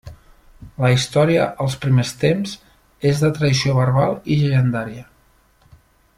La història als primers tems és de tradició verbal i llegendària.